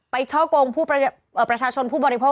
ไปเช่าโกงประชาชนผู้บริโภค